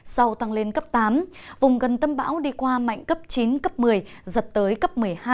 sau tăng lên cấp tám vùng gần tâm bão đi qua mạnh cấp chín cấp một mươi giật tới cấp một mươi hai